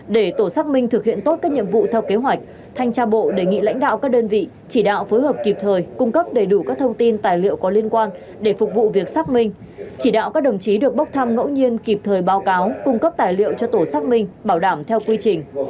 để tổ xác minh thực hiện tốt các nhiệm vụ theo kế hoạch thanh tra bộ đề nghị lãnh đạo các đơn vị chỉ đạo phối hợp kịp thời cung cấp đầy đủ các thông tin tài liệu có liên quan để phục vụ việc xác minh chỉ đạo các đồng chí được bốc thăm ngẫu nhiên kịp thời báo cáo cung cấp tài liệu cho tổ xác minh bảo đảm theo quy trình